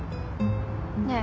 ねえ。